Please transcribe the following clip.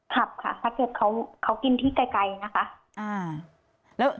ขับค่ะถ้าเกิดเขากินที่ไกลนะคะ